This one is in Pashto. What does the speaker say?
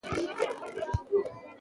ډيپلومات د بهرنیو سیاستونو ارزونه کوي.